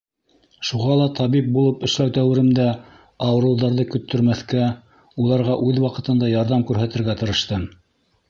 Шуға ла табип булып эшләү дәүеремдә ауырыуҙарҙы көттөрмәҫкә, уларға үҙ ваҡытында ярҙам күрһәтергә тырыштым.